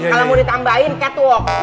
kalau mau ditambahin catwalk